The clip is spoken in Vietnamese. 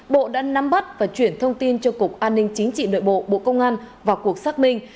bộ đã nắm bắt và chuyển thông tin cho cục an ninh chính trị nội bộ bộ công an vào cuộc xác minh